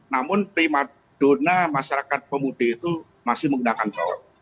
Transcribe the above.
namun prima dona masyarakat pemudik itu masih menggunakan tol